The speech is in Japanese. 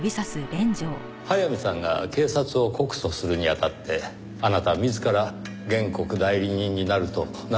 早見さんが警察を告訴するにあたってあなた自ら原告代理人になると名乗り出たとか。